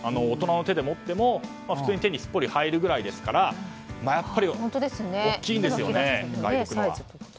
大人の手で持っても普通に手にすっぽり入るぐらいですからやっぱり、大きいですよね。